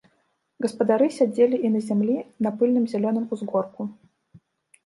Гаспадары сядзелі і на зямлі, на пыльным зялёным узгорку.